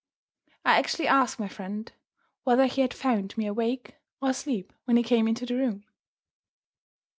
I actually asked my friend whether he had found me awake or asleep when he came into the room!